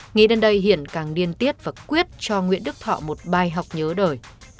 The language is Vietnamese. nghĩ đến đây hiển càng điên tiết và quyết cho nguyễn đức thọ một bài học nhớ đời